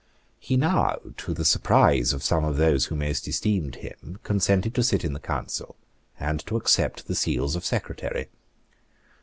He now, to the surprise of some of those who most esteemed him, consented to sit in the council, and to accept the seals of Secretary.